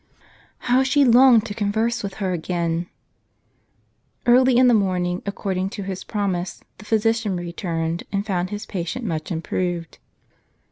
Ho^^^ she longed to ccmverse with her again ! Early in the morning, according to his promise, the physi cian returned, and found his patient much improved.